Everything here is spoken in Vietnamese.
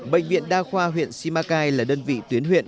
bệnh viện đa khoa huyện simacai là đơn vị tuyến huyện